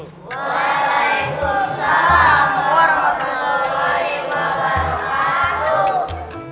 waalaikumsalam warahmatullahi wabarakatuh